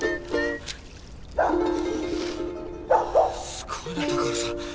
すごいな高原さん。